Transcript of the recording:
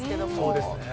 そうですね。